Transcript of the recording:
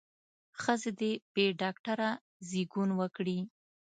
ښځې دې بې ډاکتره زېږون وکړي.